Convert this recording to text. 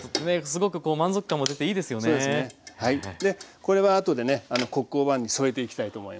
これはあとでねコック・オ・ヴァンに添えていきたいと思います。